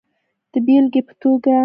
د بیلګی په توکه